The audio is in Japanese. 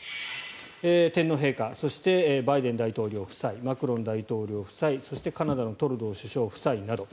天皇陛下そしてバイデン大統領夫妻マクロン大統領夫妻そして、カナダのトルドー首相夫妻など。